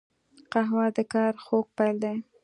قهوه د کار خوږ پیل دی